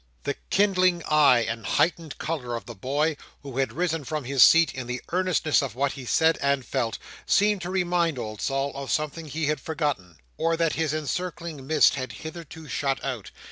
The kindling eye and heightened colour of the boy, who had risen from his seat in the earnestness of what he said and felt, seemed to remind old Sol of something he had forgotten, or that his encircling mist had hitherto shut out.